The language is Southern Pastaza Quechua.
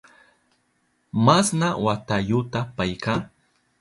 ¿Masna watayuta payka?